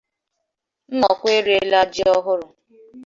Nnọkwa Eriela Ji Ọhụrụ